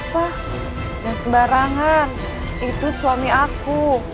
jangan sembarangan itu suami aku